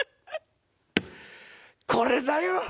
これだよ！